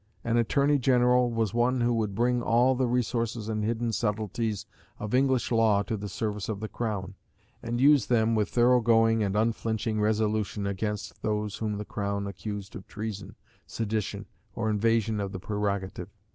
An Attorney General was one who would bring all the resources and hidden subtleties of English law to the service of the Crown, and use them with thorough going and unflinching resolution against those whom the Crown accused of treason, sedition, or invasion of the prerogative.